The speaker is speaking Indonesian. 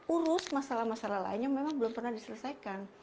urus masalah masalah lainnya memang belum pernah diselesaikan